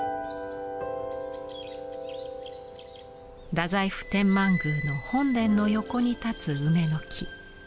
太宰府天満宮の本殿の横に立つ梅の木。